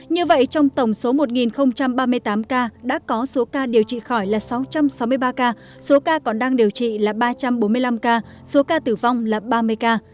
như vậy trong tổng số một ba mươi tám ca đã có số ca điều trị khỏi là sáu trăm sáu mươi ba ca số ca còn đang điều trị là ba trăm bốn mươi năm ca số ca tử vong là ba mươi ca